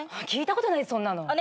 聞いたことないそんなの。